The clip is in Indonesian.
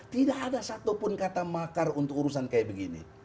tidak ada satupun kata makar untuk urusan kayak begini